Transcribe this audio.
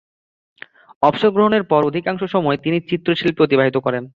অবসর গ্রহণের পর অধিকাংশ সময় তিনি চিত্রশিল্পে অতিবাহিত করেন।